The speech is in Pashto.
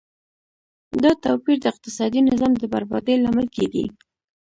دا توپیر د اقتصادي نظام د بربادۍ لامل کیږي.